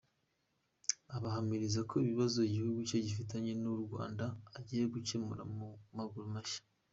Abahamiriza ko ikibazo igihugu cye gifitanye n’u Rwanda, agiye kugikemura mu maguru mashya.